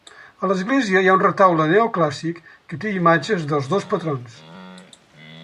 A l'església hi ha un retaule neoclàssic que té imatges dels dos patrons.